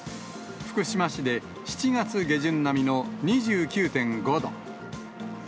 福島市で７月下旬並みの２９．５度。